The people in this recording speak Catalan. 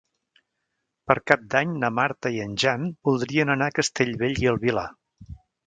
Per Cap d'Any na Marta i en Jan voldrien anar a Castellbell i el Vilar.